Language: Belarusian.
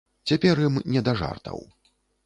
Цяпер ім не да жартаў.